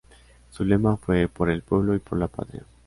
Su lema fue "Por el pueblo y por la patria".